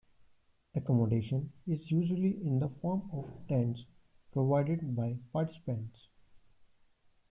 Accommodation is usually in the form of tents provided by participants.